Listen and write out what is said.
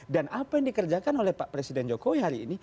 dan apa yang dikerjakan oleh pak presiden jokowi hari ini